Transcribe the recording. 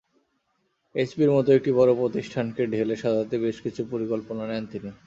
এইচপির মতো বড় একটি প্রতিষ্ঠানকে ঢেলে সাজাতে বেশ কিছু পরিকল্পনা নেন তিনি।